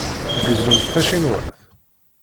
Tgezzumt tacinwat?